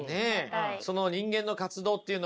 その「人間の活動」っていうのは？